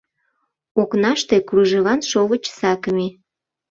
Окнаште кружеван шовыч сакыме.